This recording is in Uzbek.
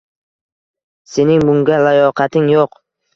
“Sening bunga layoqating yo‘q”